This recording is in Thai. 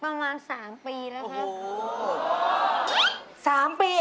ประมาณ๓ปีแล้ว